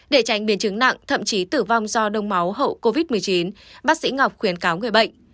để tránh biến chứng nặng thậm chí tử vong do đông máu hậu covid một mươi chín bác sĩ ngọc khuyến cáo người bệnh